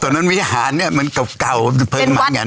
ตัวนั้นวิหารเนี่ยเหมือนเก่าเพิ่งหมางั้น